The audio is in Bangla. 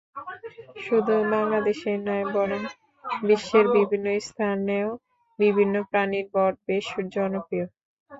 শুধু বাংলাদেশেই নয় বরং বিশ্বের বিভিন্ন স্থানেও বিভিন্ন প্রাণীর বট বেশ জনপ্রিয়।